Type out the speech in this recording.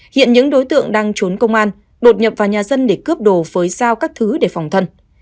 hiện những đối tượng đang trốn công an đột nhập vào nhà dân để cướp đồ với giao các thứ để phòng thân